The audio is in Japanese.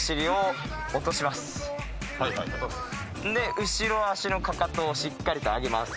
で後ろ足のかかとをしっかりと上げます